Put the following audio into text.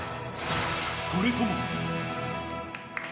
それとも。